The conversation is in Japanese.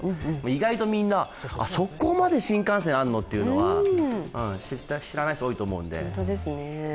意外とみんな、そこまで新幹線あるの？というのは知らない人多いと思うんで。